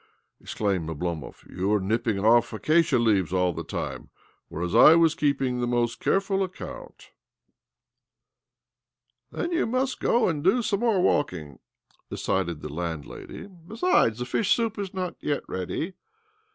" exclaimed Oblomov. " You were nipping off acacia leaves all the time, whereas / was keeping the most careful account." 284 OBLOMOV " Then you must go and do some moi walking," decided the landlady. " Beside the fish soup is not yet ready."